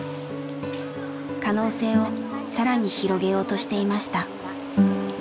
可能性を更に広げようとしていました。